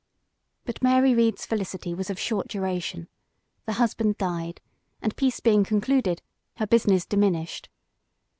But Mary Read's felicity was of short duration; the husband died, and peace being concluded, her business diminished.